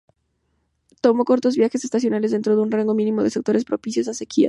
Toma cortos viajes estacionales dentro un rango mínimo de sectores propicios a sequías.